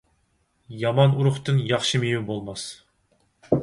يامان ئۇرۇقتىن ياخشى مېۋە بولماس.